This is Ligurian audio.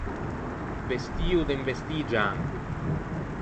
Vestio de un vestî gianco.